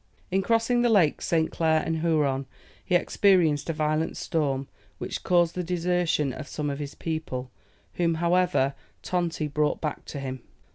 In crossing the lakes St. Clair and Huron, he experienced a violent storm, which caused the desertion of some of his people, whom, however, Tonti brought back to him.